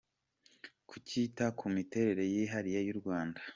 Kutita ku miterere yihariye y’u Rwanda